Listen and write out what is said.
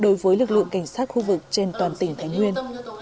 chỉ lực lượng cảnh sát khu vực trên toàn tỉnh thánh nguyên